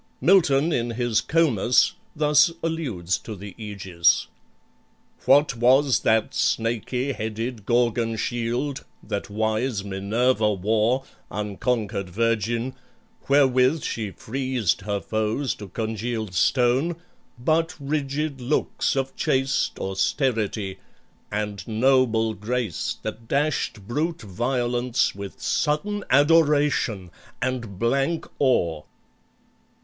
Milton, in his "Comus," thus alludes to the Aegis: "What was that snaky headed Gorgon shield That wise Minerva wore, unconquered virgin, Wherewith she freezed her foes to congealed stone, But rigid looks of chaste austerity, And noble grace that dashed brute violence With sudden adoration and blank awe!"